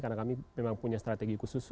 karena kami memang punya strategi khusus